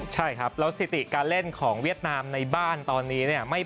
ใช่ครับแล้วสถิติการเล่นของเวียดนามในบ้านตอนนี้เนี่ย